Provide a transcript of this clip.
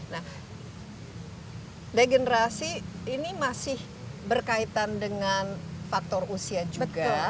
nah regenerasi ini masih berkaitan dengan faktor usia juga